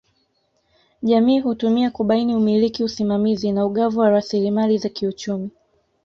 Jamii hutumia kubaini umiliki usimamizi na ugavi wa rasilimali za kiuchumi